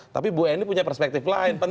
tapi bu eni punya perspektif lain